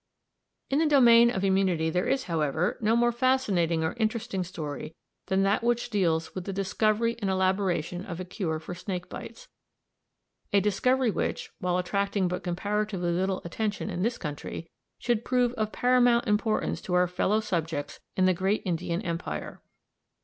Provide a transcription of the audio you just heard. In the domain of immunity there is, however, no more fascinating or interesting story than that which deals with the discovery and elaboration of a cure for snake bites, a discovery which, while attracting but comparatively little attention in this country, should prove of paramount importance to our fellow subjects in the great Indian Empire.